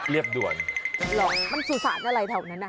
เรียบด่วนมันสถานะอะไรกันอ่ะ